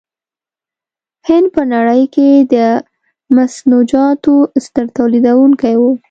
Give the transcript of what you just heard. هند په نړۍ کې د منسوجاتو ستر تولیدوونکی و.